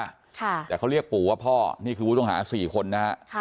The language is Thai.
ค่ะแต่เขาเรียกปู่ว่าพ่อนี่คือผู้ต้องหาสี่คนนะฮะค่ะ